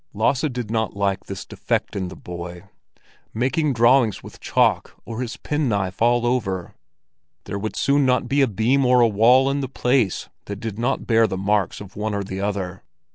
Lasse did not like this defect in the boy—making drawings with chalk or his penknife all over; there would soon not be a beam or a wall in the place that did not bear marks of one or the other.